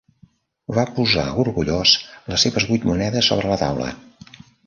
Va posar orgullós les seves vuit monedes sobre la taula.